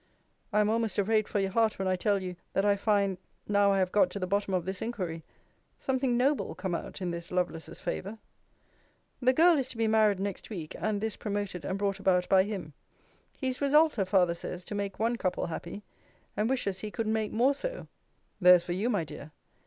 I am almost afraid for your heart, when I tell you, that I find, now I have got to the bottom of this inquiry, something noble come out in this Lovelace's favour. The girl is to be married next week; and this promoted and brought about by him. He is resolved, her father says, to make one couple happy, and wishes he could make more so [There's for you, my dear!